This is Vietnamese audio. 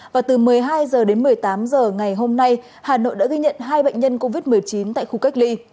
và từ một mươi hai h đến một mươi tám h ngày hôm nay hà nội đã ghi nhận hai bệnh nhân covid một mươi chín tại khu cách ly